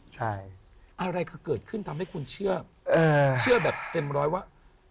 ใช่อะไรคือเกิดขึ้นทำให้คุณเชื่อเชื่อแบบเต็มร้อยว่า